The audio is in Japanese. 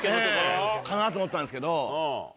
かなと思ったんですけど。